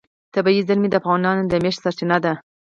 طبیعي زیرمې د افغانانو د معیشت سرچینه ده.